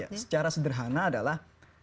ya secara sederhana adalah